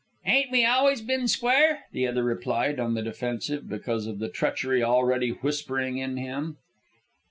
"Ain't we always ben square?" the other replied, on the defensive because of the treachery already whispering in him.